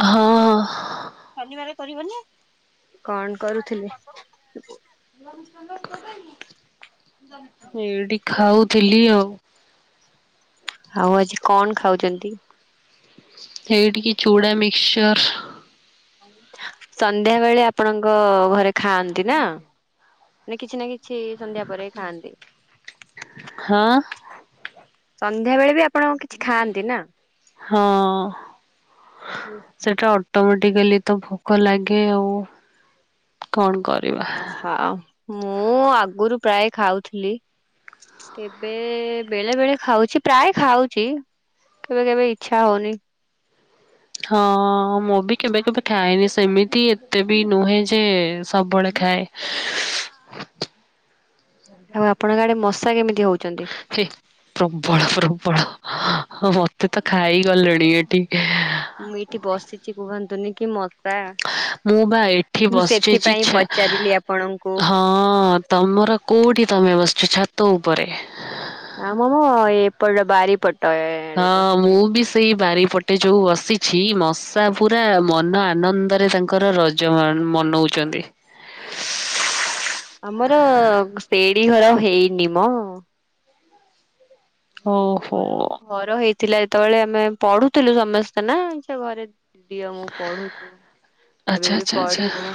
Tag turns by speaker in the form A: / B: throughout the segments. A: ହଁ
B: ଶନିବାର କରିବନି। କଣ କରୁଥିଲେ?
A: ଏଇଠି ଖାଉଥିଲି ଆଉ।
B: ଆଉ ଆଜି କଣ ଖାଉଛନ୍ତି?
A: ଏଇ ଟିକେ ଚୁଡା ମିକ୍ସଚର।
B: ସନ୍ଧ୍ୟା ବେଳେ ଆପଣଙ୍କ ଘରେ ଖାଆନ୍ତି ନା। କିଛି ନା କିଛି ସନ୍ଧ୍ୟା ପରେ ଖାଆନ୍ତି।
A: ହଁ।
B: ସନ୍ଧ୍ୟାବେଳେ ବି ଆପ
A: ହଁ। ସେଟା ଅଟୋମେଟିକାଲି ତ ଭୋକ ଲାଗେ ଆଉ। କଣ କର
B: ହ ହ ମୁଁ ଆଗରୁ ପ୍ରାୟ ଖାଉଥିଲି। ତେବେ ବେଳେ ବେଳେ ଖାଉଛି ପ୍ରାୟ ଖାଉଛି। କେବେ କେବେ ଇଛା ହଉନି।
A: ହଁ ମୁଁ ବି କେବେ କେବେ ଖାଏନି ସେମିତି ଏତେ ବି ନୁହେଁ ଯେ ସବୁବେଳେ ଖାଏ।
B: [inaudible] ଆଉ ଆପଣଙ୍କ ଆଡେ ମଶା କେମିତି ହଉଛନ୍ତି?
A: ଛି ପ୍ରବଳ ପ୍ରବଳ ମତେ ତ ଖାଇ ଗଲେଣି ଏଠି।
B: ମୁଁ ଏଇଠି ବସିଛି କୁହନ୍ତୁନି କି ମଶା।
A: ମୁଁ ବା ଏଠି
B: ମୁଁ
A: ବସିଛି
B: ସେଥିପାଇଁ
A: ଛେ
B: ପଚାରିଲି ଆପଣଙ୍କୁ।
A: ହଁ। ହଁ ତମର କୋଉଠି ତମେ ବସିଛ ଛାତ ଉପରେ।
B: ଆ ମାମ ଏପ ବାରି ପଟ ଏ।
A: ହଁ ମୁଁ ବି ସେଇ ବାରିପଟେ ଯୋଉ ବସିଛି ମଶା ପୁରା ମନ ଆନନ୍ଦରେ ତାଙ୍କର ର ଯ ମନଉଛନ୍ତି।
B: ଆମର ସେଡି ଘର ହେଇନି ମ। ହେଇନି
A: ଓହୋ
B: କଣ ଘର ହେଇଥିଲା ଯେତେବେଳେ ଆମେ ପଢୁଥିଲୁ ସମସ୍ତେ ନା ସେ ଘରେ। ଦିଅ ମୁଁ ପଢୁଛୁ
A: ଆଚ୍ଛା
B: ଏବେ ବି
A: ଆଚ୍ଛା ଆଚ୍ଛା
B: ପଢିବୁ।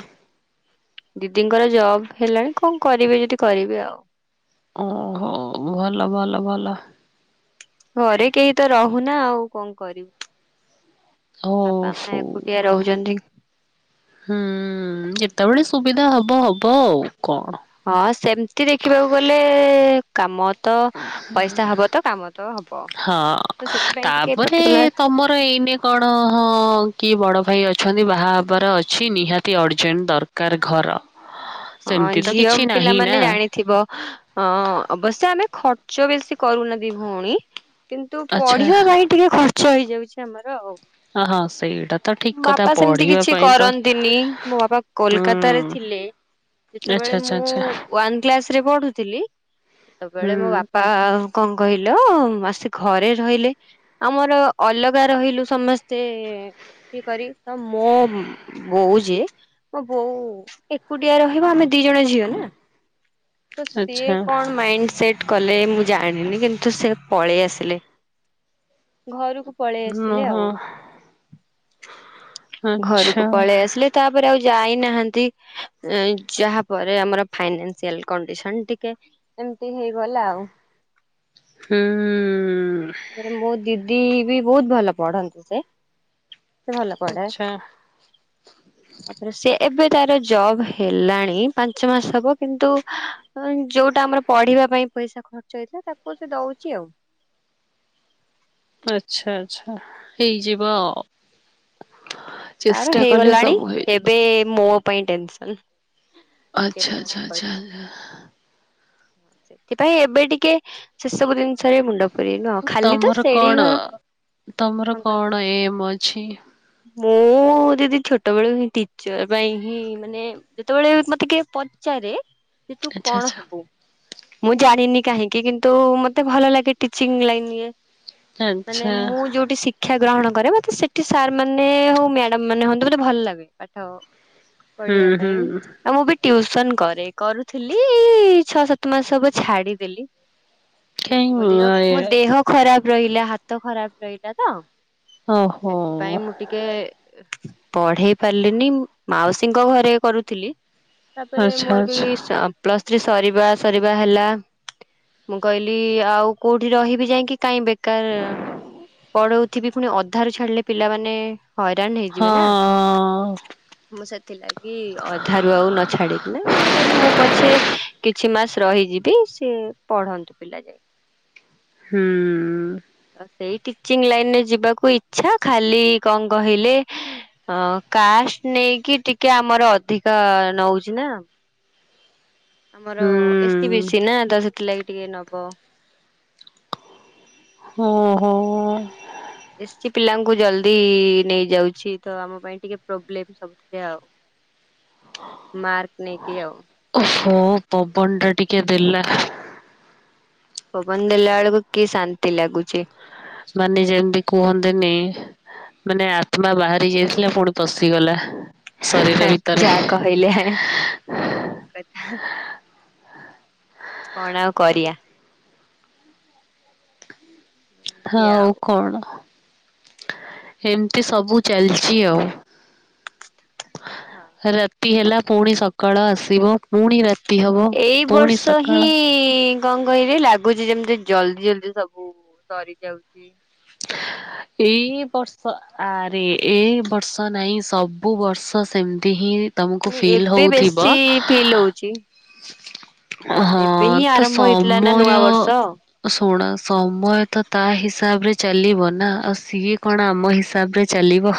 B: ଦିଦିଙ୍କର ଜବ୍ ହେଲାଣି କଣ କରିବି ଯଦି କରିବେ ଆଉ।
A: ଓହୋ ଭଲ ଭଲ ଭଲ।
B: ଘରେ କେହି ତ ରହୁନା ଆଉ କଣ କରିବୁ। ବାପା
A: ଓହୋ
B: ମା ଏକୁଟିଆ ରହୁଛନ୍ତି।
A: ହୁଁ ଯେତେବେଳେ ସୁବିଧା ହବ ହବ ଆଉ କଣ।
B: ହଁ ସେମତି ଦେଖିବାକୁ ଗଲେ କାମ ତ ପଇସା ହବ ତ କାମ ତ ହବ।
A: ହଁ
B: ତ ସେଥିପାଇଁ ଟିକେ
A: ତାପରେ
B: ପର୍ଟିକୁଲାର
A: ତମର ଏଇନେ କଣ ହଁ ହଁ କି ବଡ ଭାଇ ଅଛନ୍ତି ବାହା ହେବାର ଅଛି ନିହାତି ଅର୍ଜେଣ୍ଟ ଦରକାର ଘର।
B: ହଁ
A: ସେମିତି ତ
B: ଝିଅ
A: କିଛି ନାହିଁ
B: ପିଲାମାନେ
A: ନା
B: ଜାଣିଥିବ। ହଁ ଅବଶ୍ୟ ଆମେ ଖର୍ଚ୍ଚ ବେଶୀ କରୁନାହାନ୍ତିି ଭଉଣୀ କିନ୍ତୁ
A: ଆଚ୍ଛା
B: ପଢିବା ଭାଇ ଟିକେ ଖର୍ଚ୍ଚ ହେଇଯାଉଛି ଆମର ଆଉ।
A: ହ ହଁ ସେଇଟା ତ ଠିକ କଥା
B: ବାପା ସେମିତି
A: ପଢିବା
B: କିଛି
A: ପାଇଁ ତ
B: କରନ୍ତିନି, ମୋ ବାପା କୋଲକତା ରେ
A: ହୁଁ
B: ଥିଲେ। ଯେତେବେଳେ
A: ଆଚ୍ଛା ଆଚ୍ଛା
B: ମୁଁ
A: ଆଚ୍ଛା
B: ୱନ୍ କ୍ଲାସ ରେ ପଢୁଥିଲି, ସେତେବେଳେ ମୋ
A: ହୁଁ
B: ବାପା କଣ କହିଲ, ମାସେ ଘରେ ରହିଲେ ଆମର ଅଲଗା ରହିଲୁ ସମସ୍ତେ ଏ କି କରି, ତ ମୋ ବୋଉ ଯିଏ ମୋ ବୋଉ ଏକୁଟିଆ ରହିବ, ଆମେ ଦି ଜଣ ଝିଅ ନା? ତ ସିଏ
A: ଆଚ୍ଛା
B: କଣ ମାଇଣ୍ଡ ସେଟ କଲେ ମୁଁ ଜାଣିନି କିନ୍ତୁ ସେ ପଳେଇ ଆସିଲେ। ଘରକୁ ପଳେଇ ଆସିଲେ
A: ଓହୋ
B: ଆଉ। ଘରକୁ
A: ଆଚ୍ଛା
B: ପଳେଇ ଆସିଲେ, ତାପରେ ଆଉ ଯାଇନାହାନ୍ତି। ଯାହା ପରେ ଆମର ଫାଇନାସିଆଲ କଣ୍ଡିସନ୍ ଟିକେ ଏମିତି ହେଇଗଲା ଆଉ।
A: ହୁଁ ଉଁ
B: ତାପରେ ମୋ ଦିଦି ବି ବହୁତ ଭଲ ପଢନ୍ତି ସେ। ସେ ଭଲ ପଢେ।
A: ଆଚ୍ଛା
B: ତାପରେ ସେ ଏବେ ତାର ଜବ୍ ହେଲାଣି ପାଞ୍ଚ ମାସ ହବ କିନ୍ତୁ ହ ଯୋଉଟା ଆମର ପଢିବା ପାଇଁ ପଇସା ଖର୍ଚ୍ଚ ହେଇଥିଲା, ତାକୁ ସେ ଦଉଚି ଆଉ।
A: ଆଛା ଆଛା ହେଇଯିବ ଅ।
B: ତାର ହେଇଗଲାଣି, ଏବେ ମୋ ପାଇଁ ଟେନସନ୍। ଟିକେ
A: ଆଚ୍ଛା ଆଚ୍ଛା
B: ପଢ଼ାପଢ଼ି।
A: ଆଚ୍ଛା
B: ସେଥିପାଇଁ ଏବେ ଟିକେ ସେସବୁ ଜିନି ଥରେ ମୁଣ୍ଡ ପୁରେଇନୁ ଆଉ, ଖାଲି ତ
A: ତମର
B: ସେଡି ଘର
A: ଏ ମ ଛି
B: ମୁଁ ଦିଦି ଛୋଟ ବେଳୁ ହିଁ ଟିଚର ପାଇଁ ହିଁ ମାନେ ଯେତେବେଳେ ମତେ କିିକେ ପଚାରେ ଯେ ତୁ
A: ଆଚ୍ଛା
B: କଣ ହବୁ? ମୁଁ ଜାଣିନି କାହିଁକି କିନ୍ତୁ ମତେ ଭଲ ଲାଗେ ଟିଚିଂ ଲାଇନ୍ ଇଏ
A: ଆଚ୍ଛା
B: ମାନେ
A: ଆଚ୍ଛା
B: ମୁଁ ଯୋଉଠି ଶିକ୍ଷା ଗ୍ରହଣ କରେ, ମତେ ସେଠି ସାର୍ ମାନେ ମାନେ ହଉ ମ୍ୟାଡାମ ମାନେ ହୁଅନ୍ତୁ ମୋତେ ଭଲ ଲାଗେ ପାଠ ପଢିବା
A: ହୁଁ
B: ପାଇଁ।
A: ହୁଁ
B: ଆଉ ମୁଁ ବି ଟିଉସନ୍ କରେ, କରୁଥିଲି ଇ ଛଅ ସାତ ମାସ ହବ ଛାଡିଦେଲି। ମୋ
A: କାଇଁ
B: ଦେହ ମୋ ଦେହ ଖରାପ ରହିଲା, ହାତ ଖରାପ ରହିଲା ତ,
A: ଓହୋ
B: ସେଥିପାଇଁ ମୁଁ ଟିକେ ପଢ଼େଇ ପାରିଲିନି, ମାଉସୀଙ୍କ ଘରେ କରୁଥିଲି ତାପରେ
A: ଆଚ୍ଛା
B: ମୋର ବି,
A: ଆଚ୍ଛା
B: ପ୍ଲସ୍ ଥ୍ରୀ ସରିବା ସରିବା ହେଲା ମୁଁ କହିଲି ଆଉ କୋଉଠି ରହିବି ଯାଇକି କାଇଁ ବେ କାର୍ ପଢ଼ଉଥିବି, ପୁଣି ଅଧାରୁ ଛାଡି଼ଲେ ପିଲାମାନେ ହଇରାଣ ହେଇଯିବେ ନା?
A: ହଁ ଅ
B: ମୁଁ ସେଥିଲା ଲାଗି ଅଧାରୁ ଆଉ ନ ଛାଡି଼କିନା, ମୁଁ କହିଲି ମୁଁ ପଛେ କିଛି ମାସ ରହିଯିବି ସେ ପଢ଼ନ୍ତୁ ପିଲା ଯାଇକି।
A: ହୁଁ ଉଁ।
B: ତ ସେଇ ଟିଚିଂ ଲାଇନ ରେ ଯିବାକୁ ଇଛା, ଖାଲି କଣ କହିଲେ ହଁ କାଷ୍ଟ୍ ନେଇକି ଟିକେ ଆମର ଅଧିକା ନଉଚି ନା? ଆମର ଏ ସି ବି
A: ହୁଁ
B: ସି ନା, ତ ସେଥିଲାଗି ଟିକେ ନବ।
A: ହଁ ହଁ ହ।
B: ଏସ୍ ଟି ପିଲାଙ୍କୁ ଜଲଦି ଇ ନେଇଯାଉଛି ତ ଆମ ପାଇଁ ଟିକେ ପ୍ରୋବ୍ଲେମ ସବୁ। ଆଉ ମାର୍କ ନେଇ କି ଆଉ।
A: ଓହୋ ପବନଟା ଟିକେ ଦେଲା।
B: ପବନ ଦେଲା ବେଳକୁ କି ଶାନ୍ତି ଲାଗୁଛି।
A: ମାନେ ଯେମିତି କୁହନ୍ତିନି ମାନେ ଆତ୍ମା ବାହାରି ଯାଇଥିଲା ଫୁଣି ପଶିଗଲା। ଶରୀର ଭିତରେ।
B: ଯାହା କହିଲେ। କଣ ଆଉ କରିବା? ଏମିତି
A: ହଉ
B: ଆଉ
A: କଣ? ଏମିତି ସବୁ ଚାଲିଛି ଆଉ।
B: ହଁ।
A: ରାତି ହେଲା ଫୁଣି ସକାଳ ଆସିବ ଫୁଣି ରାତି ହବ
B: ଏଇ
A: ପୁଣି
B: ବର୍ଷ ହିଁ
A: ସକାଳ।
B: ଇ କଣ କହିଲେ ଲାଗୁଚି ଯେମିତି ଜଲଦି ଜଲଦି ସବୁ ସରି ଯାଉଛି। [inaudible]
A: ଏଇ ବର୍ଷ ଆରେ ଏ ବର୍ଷ ନାଇଁ ସବୁ ବର୍ଷ ସେମିତି ହିଁ ତମକୁ
B: ମାନେ
A: ଫିଲ୍
B: ଏବେ
A: ହଉଥିବ
B: ବେଶୀ ଫିଲ୍ ହଉଛି।
A: ହଁ
B: ଏବେ ହିଁ
A: ତ
B: ଆରମ୍ଭ ହେଇଥିଲା ନା
A: ସମୟ
B: ନୂଆ ବର୍ଷ
A: ଶୁଣ ସମୟ ତ ତା ହିସାବରେ ଚାଲିବ ନା ଆଉ ସିଏ କଣ ଆମ ହିସାବରେ ଚାଲିବ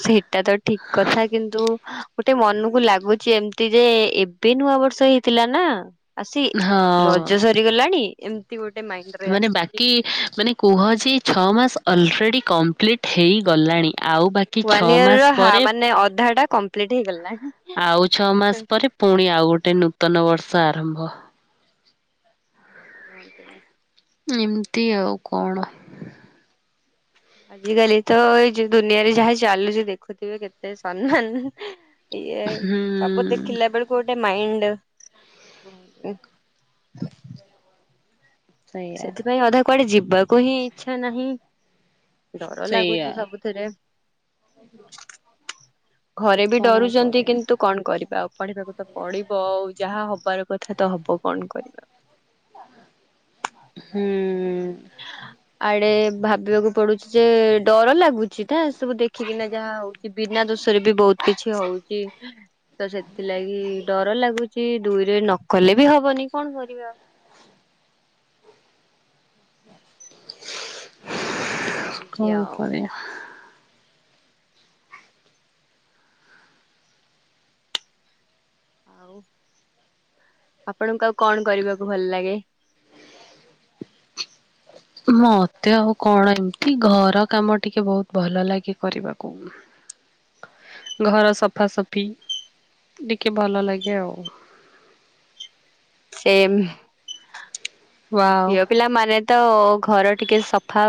B: ସେଟା ତ ଠିକ୍ କଥା କିନ୍ତୁ ଗୋଟେ ମନକୁ ଲାଗୁଛି ଏମିତି ଯେ ଏବେ ନୂଆ ବର୍ଷ ହେଇଥିଲା ନା ଆସି ରଜ ସରିଗଲାଣି ଏମିତି ଗୋଟେ ମାଇଣ୍ଡରେ ଆସୁଛି।
A: କି ମାନେ କୁହ ଯେ ଛଅ ମାସ ଅଲରେଡ଼ି କମ୍ପ୍ଲିଟ୍ ହେଇଗଲାଣି ଆଉ ବା କି ଛଅ
B: ୱାନ ଇୟର
A: ମାସ
B: ର
A: ପରେ,
B: ମାନେ ଅଧା ଟା କମ୍ପ୍ଲିଟ
A: ଆଉ ଛଅ ମାସ
B: ହେଇଗଲାଣି।
A: ପରେ ଫୁଣି ଆଉ ଗୋଟେ ନୂତନ ବର୍ଷ ଆରମ୍ଭ।
B: [inaudible]
A: ଏମିତି ଆଉ, କଣ?
B: ଆଜିକାଲି ତ ଏଇ ଯୋଉ ଦୁନିଆରେ ଯାହା ଚାଲୁଛି ଦେଖୁଥିବେ କେତେ ସମ୍ମାନ ଇଏ
A: ହୁଁ
B: ସବୁ ଦେଖିଲା ବେଳକୁ ଗୋଟେ ମାଇଣ୍ଡ୍
A: ସେଇଆ
B: ସେଥିପାଇଁ ଅଧା କୁଆଡ଼େ ଯିବାକୁ ହିଁ ଇଚ୍ଛା ନାହିଁ ଡର
A: ସେଇଆ
B: ଲାଗୁଛି ସବୁଥିରେ।
A: [unintelligible]
B: ଘରେ ବି
A: କଣ
B: ଡରୁଛନ୍ତି
A: କରିବା
B: କିନ୍ତୁ କଣ କରିବା ଆଉ ପଢ଼ିବାକୁ ତ ପଢ଼ିବ ଆଉ ଯାହା ହବାର କଥା ତ ହବ କଣ କରିବା।
A: ହୁଁ। ହୁଁ।
B: ଆଡେ ଭାବିବାକୁ ପଡୁଛି ଯେ ଡର ଲାଗୁ ଛି ନା ଏ ସବୁ ଦେଖିକିନା ଯାହା ହଉଛି କି ବିନା ଦୋଷରେ ବି ବହୁତ କିଛି ହଉଛି। ତ ସେଥିଲାଗି ଡର ଲାଗୁଛି ଦୁଇରେ ନକଲେ ବି ହବନି କଣ କରିବା। ଏମିତି
A: କଣ
B: ଆଉ
A: କରିବା?
B: ଆପଣଙ୍କୁ ଆଉ କଣ କରିବାକୁ ଭଲ ଲାଗେ?
A: ମତେ ଆଉ କଣ ଏମିତି ଘର କାମ ଟିକେ ବହୁତ ଭଲ ଲାଗେ କରିବାକୁ।
B: [inaudible]
A: ଘର ସଫାସଫି ଟିକେ ଭଲ ଲାଗେ ଆଉ।
B: ସେମ୍
A: ୱାଓ
B: ଝିଅ ପିଲା ମାନେ ତ ଘର ଟିକେ ସଫା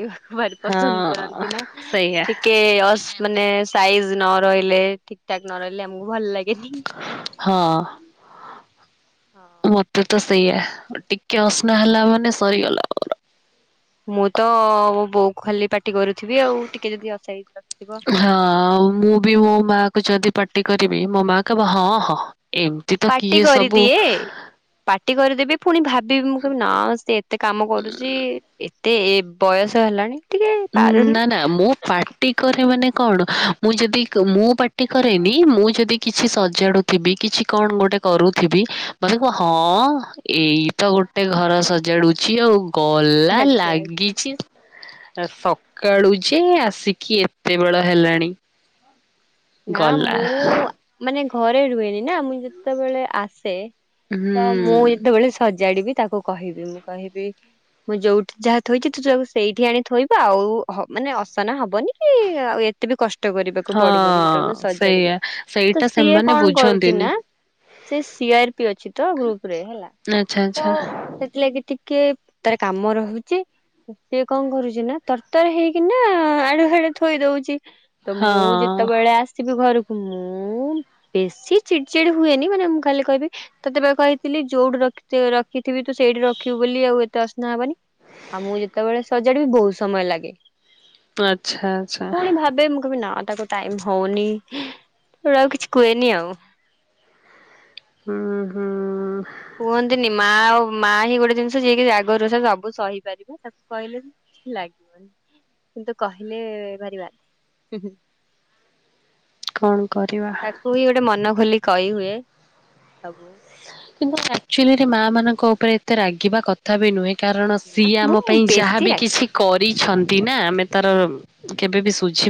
B: ୟଫ ଭାରି ପସନ୍ଦ
A: ହଁ
B: କରନ୍ତି ନା
A: ସେଇଆ
B: ଟିକେ ଅସ ମାନେ ସାଇଜ୍ ନ ରହିଲେ ଠିକ୍ ଠାକ୍ ନ ରହିଲେ ଆମକୁ ଭଲ ଲାଗେନି।
A: ହଁ
B: ହଁ
A: ମତେ ତ ସେଇଆ ଟିକେ ଅସ୍ନା ହେଲା ମାନେ ସରିଗଲା।
B: ମୁଁ ତ ବୋଉକୁ ଖାଲି ପାଟି କରୁଥିବି ଆଉ ଟିକେ ଯଦି ଅସାଇଜ ରଖିଥିବ।
A: ହଁ ମୁଁ ବି ମୋ ମାଆ କୁ ଯଦି ପାଟି କରିବି ମୋ ମା କହିବ ହଁ ହଁ ଏମତି
B: ପାଟି କରିଦିଏ। ପାଟି କରିଦେବି ପୁଣି ଭାବିବି ମୁଁ କହିବି ନା ସେ ଏତେ କାମ କରୁଚି। ଟେ ଏ ବୟସ ହେଲାଣି। ଟିକେ
A: ଉଁ
B: ପାରୁନି
A: ନା ନା ମୁଁ ପାଟି କରେ ମାନେ କଣ ମୁଁ ଯଦି ମୁଁ ପାର୍ଟି କରେନି ମୁଁ ଯଦି କିଛି ସଜାଡୁ ଥିବି କିଛି କଣ ଗୋଟେ କରୁଥିବି ମତେ କୁହ ହଁ ଏଇ ତ ଗୋଟେ ଘର ସଜାଡୁଛି ଆଉ ଗଲା
B: ଆଚ୍ଛା ଆଚ୍ଛା।
A: ଲାଗିଛି। ସକାଳୁ ଯେ ଆସିକି ଏତେବେଳ ହେଲାଣି।
B: ନା
A: ଗଲା
B: ମୁଁ ମାନେ ଘରେ ରୁହେନି ନା ମୁଁ ଯେତେବେଳେ ଆସେ
A: ହୁଁ
B: ତ ମୁଁ ଯେତେବେଳେ ସଜ ଜାଡିବି ତାକୁ କହିବି ମୁଁ କହିବି ମୁଁ ଯୋଉଠି ଯାହା ଥୋଇଛି ତୁ ତାକୁ ସେଇଠି ଆଣି ଥୋଇବୁ ଆଉ ହ ମାନେ ଅସନା ହବନି କି ଏତେ ତତେ ବି କଷ୍ଟ କରିବାକୁ ପଡିବନି ଯେତେବେଳେ ମୁଁ
A: ହଁ ସେଇଆ
B: ସଜାଡିବି ତ
A: ସେଇଟା
B: ସିଏ
A: ସେମାନେ
B: କଣ କରୁଛି
A: ବୁଝନ୍ତିନି
B: ନା। ସେ ସିଆର୍ ପି ଅଛି ତ ଗ୍ରୁପ୍ ରେ ହେଲା
A: ଆଚ୍ଛା
B: ତ
A: ଆଚ୍ଛା
B: ସେଥିଲାଗି ଟିକେ ତାର କାମ ରହୁଛି। ସିଏ କଣ କରୁଚି ନା ତରତର ହେଇକିନା ଆଡେ ସାଡେ ଥୋଇ ଦଉଛି। ତ
A: ହଁ
B: ମୁଁ ଯେତେବେଳେ ଆସ ଆସିବି ଘରକୁ ମୁଁ ବେଶି ଚିଡ୍ ଚିଡି ହୁଏନି ମାନେ ମୁଁ ଖାଲି କହିବି। ତତେ ବା କହିଥିଲି ଯୋଉଠି ରଖିତ ରଖିଥିବି ତୁ ସେଇଠି ରଖିବୁ ବୋଲି ଆଉ ଏତେ ଅସନା ହବନି। ଆଉ ମୁଁ ଯେତେବେଳେ ସଜାଡିବି ବହୁତ୍ ସମୟ ଲାଗେ।
A: ଆଚ୍ଛା ଆଚ୍ଛା
B: ପୁଣି ଭାବେ ମୁଁ କହିବି ନା ତାକୁ ଟାଇମ୍ ହଉନି ସେଠୁ ଆଉ କିଛି କୁହେନି ଆଉ
A: ହୁଁ ହୁଁ
B: କୁହନ୍ତିନି ମା ଆଉ ମାଆ ହିଁ ଗୋଟେ ଜିନିଷ ଯିଏକି ରାଗରୁସା ସବୁ ସହିପାରିବ। ତାକୁ କହିଲେ ବି କିଛି ଲାଗିବନି କିନ୍ତୁ କହିଲେ ଭାରି ବାଧେ
A: କଣ କରିବା
B: ତାକୁ ହି ଗୋଟେ ମନ ଖୋଲି କହିହୁଏ ସବୁ
A: କିନ୍ତୁ ଆକ୍ଚୁଲିରେ ମାଁ ମାନଙ୍କ ଉପରେ ଏତେ ରାଗିବା କଥା ବି ନୁହେଁ। କାରଣ
B: ନା
A: ସିଏ
B: ମୁଁ
A: ଆମ ପାଇଁ
B: ବେଶୀ
A: ଯାହାବି କିଛି କରିଛନ୍ତି ନା ଆମେ ତାର କେବେ ବି ସୁୁଝି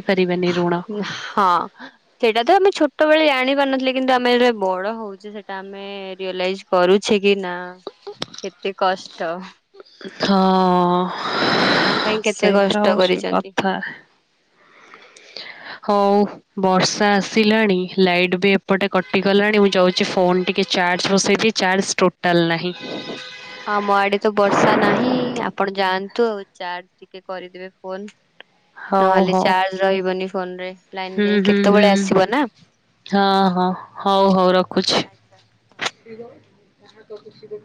B: ହଁ ସେଇଟା ତ ଆମେ ଛୋଟବେଳେ ଜାଣିପାରୁନଥିଲେ କିନ୍ତୁ ଆମେ ଯେବେ ବଡ ହଉଛେ ସେଇଟା ଆମେ ରିଅଲାଇଜ୍ କରୁଛି କି ନା କେତେ କଷ୍ଟ
A: ହଁ
B: ଆମ ପାଇଁ କେତେ
A: ସେଇଟା
B: କଷ୍ଟ
A: ହଉଛି
B: କରିଛନ୍ତି।
A: କଥା
B: [inaudible]
A: ହଉ। ବର୍ଷା ଆସିଲାଣି ଲାଇଟ୍ ବି ଏପଟେ କଟିଗଲାଣି ମୁଁ ଯାଉଛି ଫୋନ ଟିକେ ଚାର୍ଜ ବସେଇ ଚାର୍ଜ ଟୋଟଲ ନାହିଁ।
B: ଆମ ଆଡେ ତ ବର୍ଷା ନାହିଁ ଆପଣ ଯାଆନ୍ତୁ ଆଉ ଚାର୍ଜ ଟିକେ କରିଦେବେ ଫୋନ।
A: ହଉ
B: ନହେଲେ
A: ହଉ
B: ଚାର୍ଜ ରହିବନି ଫୋନରେ ଲାଇନ
A: ହୁଁ
B: ଯାଇଁ
A: ହୁଁ ହୁଁ
B: କେତେବେଳେ ଆସିବ ନା।
A: ହଁ ହଁ ହୋଉ ହୋଉ ରଖୁଛି।
B: ଆଚ୍ଛା।
A: ଯାହା କ ଖୁସି ଦେ